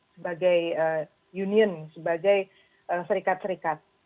sebagai union sebagai serikat serikat